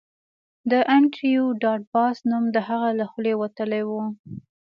د انډریو ډاټ باس نوم د هغه له خولې وتلی و